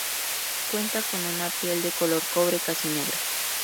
Cuenta con una piel de color cobre casi negra.